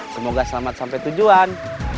semoga selamat sampai tujuan